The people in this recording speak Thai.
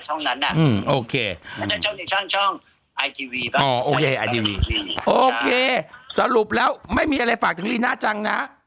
ช่องในช่องช่องไอทีวีโอเคสรุปแล้วไม่มีอะไรฝากจากลีน่าจังนะ